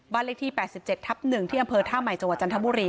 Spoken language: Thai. เลขที่๘๗ทับ๑ที่อำเภอท่าใหม่จังหวัดจันทบุรี